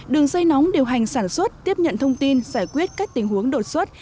đường dây nóng điều hành sản xuất tiếp nhận thông tin giải quyết các tình huống đột xuất